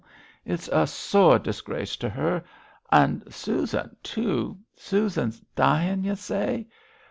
It's a sore disgrace to her. And Susan, too. Susan's dyin', y' say!